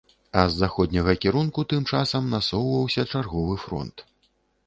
А з заходняга кірунку тым часам насоўваўся чарговы фронт.